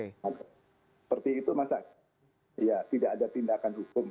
seperti itu masa ya tidak ada tindakan hukum